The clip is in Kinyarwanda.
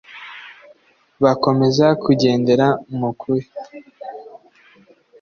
bakomeza kugendera mu kuri